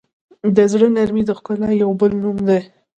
د زړه نرمي د ښکلا یو بل نوم دی.